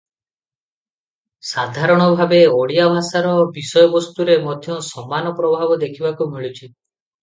ସାଧାରଣ ଭାବେ ଓଡ଼ିଆ ଭାଷାର ବିଷୟବସ୍ତୁରେ ମଧ୍ୟ ସମାନ ପ୍ରଭାବ ଦେଖିବାକୁ ମିଳୁଛି ।